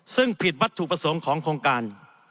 ซึ่งผิดวัตถุประสงค์ของโครงการ